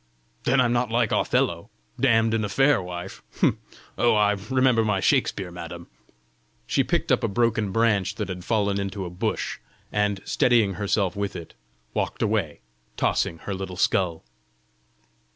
"Then I'm not like Othello, damned in a fair wife! Oh, I remember my Shakspeare, madam!" She picked up a broken branch that had fallen into a bush, and steadying herself with it, walked away, tossing her little skull.